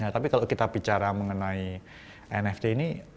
tapi kalau kita bicara mengenai nft ini